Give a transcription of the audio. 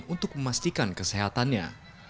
untuk memastikan kesehatannya